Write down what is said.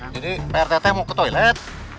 jadi prtt mau ke toilet